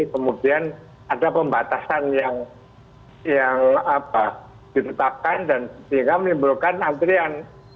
kemudian ada pembatasan yang ditetapkan dan sehingga menimbulkan antrian